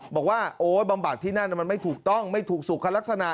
บอกว่าโอ๊ยบำบัดที่นั่นมันไม่ถูกต้องไม่ถูกสุขลักษณะ